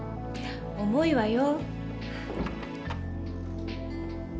重いわよ。